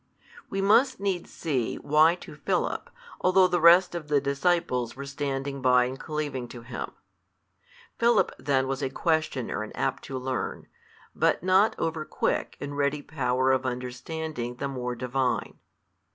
We must needs see, why to Philip, although the rest of the disciples were standing by and cleaving to Him: Philip then was a questioner and apt to learn, but not over quick in ready power of understanding the more Divine.